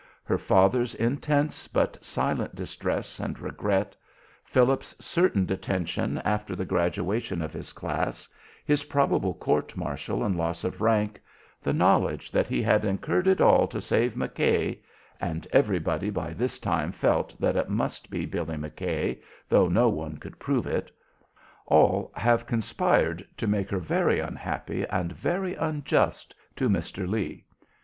Her father's intense but silent distress and regret; Philip's certain detention after the graduation of his class; his probable court martial and loss of rank; the knowledge that he had incurred it all to save McKay (and everybody by this time felt that it must be Billy McKay, though no one could prove it), all have conspired to make her very unhappy and very unjust to Mr. Lee.